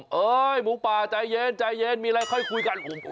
เฮ่ยหมูป่าใจเย็นมีอะไรค่อยคุยกัน